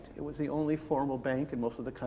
ini adalah bank formal yang terbuka di sebagian besar negara